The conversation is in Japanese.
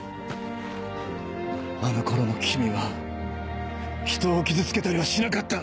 あの頃の君はひとを傷つけたりはしなかった！